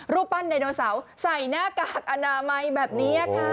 รูปปั้นไดโนเสาร์ใส่หน้ากากอนามัยแบบนี้ค่ะ